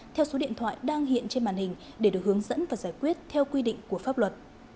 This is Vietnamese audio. theo số điện thoại đang hiện trên màn hình để được hướng dẫn và giải quyết theo quy định của pháp luật